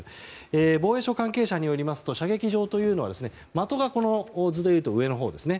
防衛省関係者によりますと射撃場というのは的が図でいうと上のほうですね。